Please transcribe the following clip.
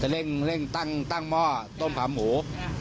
จะเร่งเร่งตั้งหม้อต้มผัมหมู